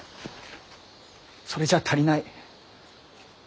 それじゃあ足りない。